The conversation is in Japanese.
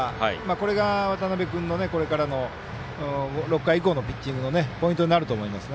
これが渡邉君の６回以降のピッチングのポイントになると思います。